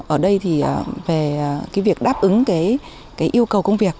ở đây về việc đáp ứng yêu cầu công việc